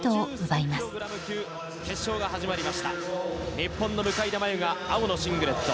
日本の向田真優が青のシングレット。